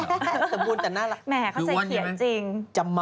้าวเขาใส่เขียนจริง